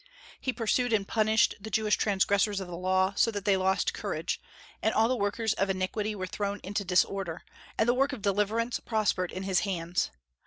He pursued and punished the Jewish transgressors of the Law, so that they lost courage, and all the workers of inquity were thrown into disorder, and the work of deliverance prospered in his hands.